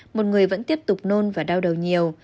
một người vẫn tiếp tục nôn và đau đầu nhiều